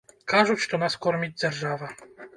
Кажуць, што нас корміць дзяржава.